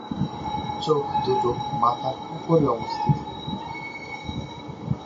চোখ দুটো মাথার উপরে অবস্থিত।